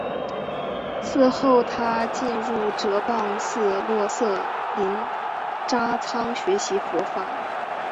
此后他进入哲蚌寺洛色林扎仓学习佛法。